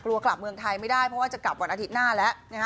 กลับเมืองไทยไม่ได้เพราะว่าจะกลับวันอาทิตย์หน้าแล้วนะฮะ